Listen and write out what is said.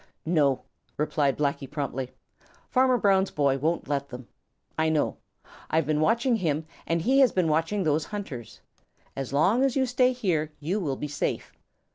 "No," replied Blacky promptly. "Farmer Brown's boy won't let them. I know. I've been watching him and he has been watching those hunters. As long as you stay here, you will be safe.